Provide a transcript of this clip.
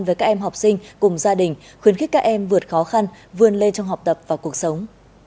với các em học sinh cùng gia đình khuyến khích các em vượt khó khăn vươn lên trong học tập và cuộc sống